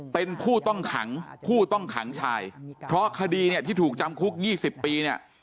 เป็นผู้ต้องขังผู้ต้องขังชายเพราะคดีเนี่ยที่ถูกจำคุก๒๐ปีเนี่ย